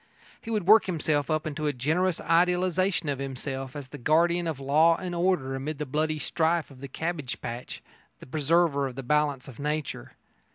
He would work himself up into a generous idealisation of himself as the guardian of law and order amid the bloody strife of the cabbage patch the preserver of the balance of nature.